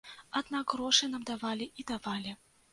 Аднак грошы нам давалі і давалі.